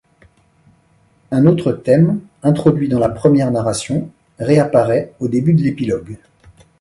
Un autre thème, introduit dans la première narration, réapparaît au début de l'épilogue.